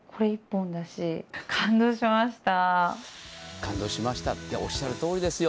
感動しましたっておっしゃるとおりですよ。